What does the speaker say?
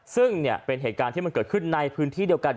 ซึ่งเนี่ยเป็นเหตุการณ์ที่มันเกิดขึ้นในพื้นที่เดียวกัน